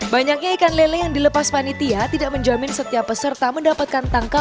banyaknya ikan lele yang dilepas panitia tidak menjamin setiap peserta mendapatkan tangkapan